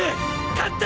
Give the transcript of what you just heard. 勝った！